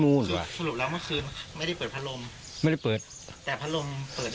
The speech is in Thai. สรุปแล้วไม่ได้เปิดพัดลม